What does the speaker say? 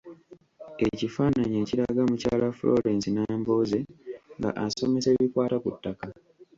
Ekifaananyi ekiraga mukyala Florence Nambooze nga asomesa ebikwata ku ttaka.